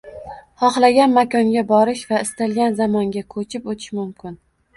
— Xohlagan makonga borish va istalgan zamonga ko‘chib o‘tish mumkin